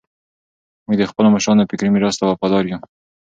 موږ د خپلو مشرانو فکري میراث ته وفادار یو.